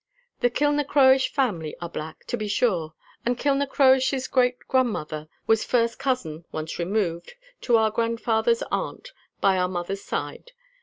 The Kilnacroish family are black, to be sure; and Kilnacroish's great grandmother was first cousin, once removed, to our grandfather's aunt, by our mother's side.